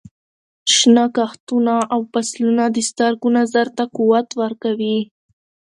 شنه کښتونه او فصلونه د سترګو نظر ته قوت ورکوي.